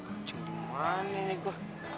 kencing dimana nih gue